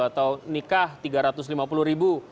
atau nikah tiga ratus lima puluh ribu